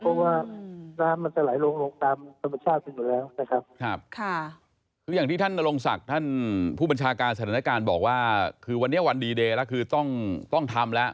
เพราะว่าน้ำมันจะไหลลงตามธรรมชาติที่หมดแล้วนะครับ